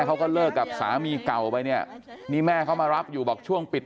เขาก็เลิกกับสามีเก่าไปเนี่ยนี่แม่เขามารับอยู่บอกช่วงปิด